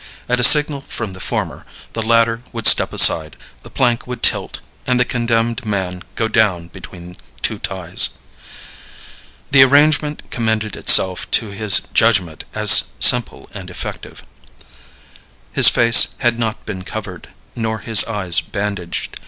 At a signal from the former, the latter would step aside, the plank would tilt, and the condemned man go down between two ties. The arrangement commended itself to his judgment as simple and effective. His face had not been covered nor his eyes bandaged.